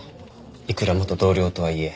いくら元同僚とはいえ。